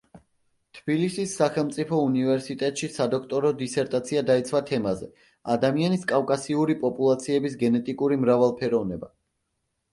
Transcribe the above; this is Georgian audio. თბილისის სახელმწიფო უნივერსიტეტში სადოქტორო დისერტაცია დაიცვა თემაზე: „ადამიანის კავკასიური პოპულაციების გენეტიკური მრავალფეროვნება“.